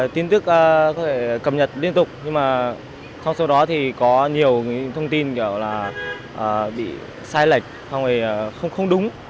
tin tức có thể cập nhật liên tục nhưng trong số đó có nhiều thông tin bị sai lệch không đúng